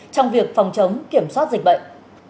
trong việc phòng chống kiểm soát dịch bệnh